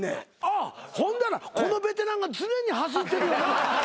ほんならこのベテランが常に走ってるよな。